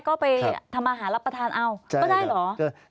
ก็ไปทำอาหารรับประทานเอาก็ได้เหรอ